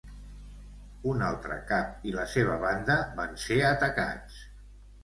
Un altre cap i la seva banda van ser atacats.